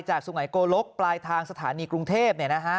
จากสุไหงโกรกปลายทางสถานีกรุงเทพฯเนี่ยนะฮะ